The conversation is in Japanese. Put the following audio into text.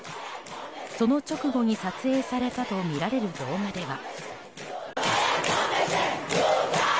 その直後に撮影されたとみられる動画では。